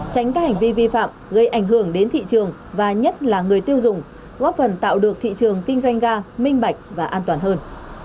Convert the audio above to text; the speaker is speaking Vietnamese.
tránh các hành vi vi phạm gây ảnh hưởng đến thị trường và nhất là người tiêu dùng góp phần tạo được thị trường kinh doanh ga minh bạch và an toàn hơn